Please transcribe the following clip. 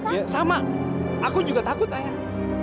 ya sama aku juga takut ayah